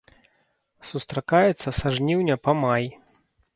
Сустракаецца са жніўня па май.